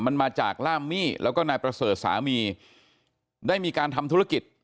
มันมาจากล่ามมี่แล้วก็นายประเสริฐสามีได้มีการทำธุรกิจ